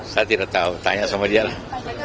saya tidak tahu tanya sama dia lah